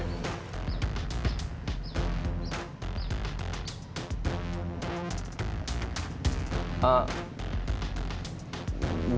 lo tau dari mana